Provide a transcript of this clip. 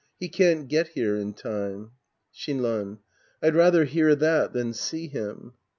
He can't get here in time. Shinran. I'd rather hear that than see him.